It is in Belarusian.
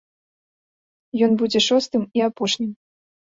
Ён будзе шостым і апошнім.